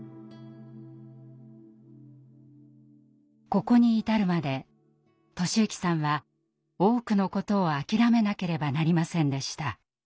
ここに至るまで寿之さんは多くのことを諦めなければなりませんでした。